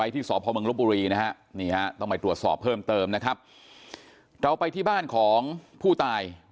ต้องไปตรวจสอบเพิ่มเติมนะครับเราไปที่บ้านของผู้ตาย